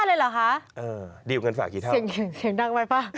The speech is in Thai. เออดีกว่าเงินฝากกี่เท่าเสียงดังไว้ป่ะ